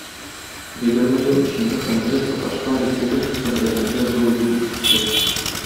Егерме ел эчендә конгресс Татарстан Республикасы белән бергә зур юл үтте.